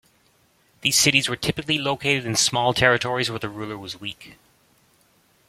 These cities were typically located in small territories where the ruler was weak.